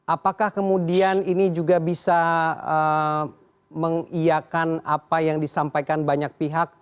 apakah kemudian ini juga bisa mengiakan apa yang disampaikan banyak pihak